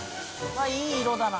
あっいい色だな。